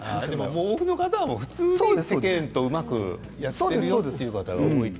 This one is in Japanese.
多くの方は普通に世間の方とうまくやってるよという方が多い。